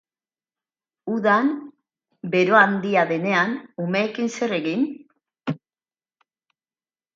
Udan, bero handia denean, umeekin zer egin?